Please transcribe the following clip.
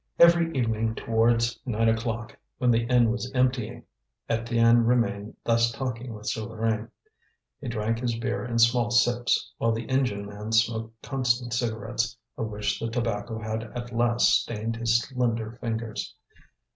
Every evening towards nine o'clock, when the inn was emptying, Étienne remained thus talking with Souvarine. He drank his beer in small sips, while the engine man smoked constant cigarettes, of which the tobacco had at last stained his slender fingers.